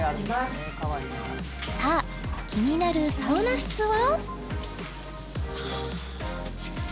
さあ気になるサウナ室は？